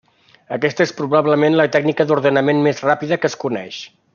Aquesta és probablement la tècnica d'ordenament més ràpida que es coneix.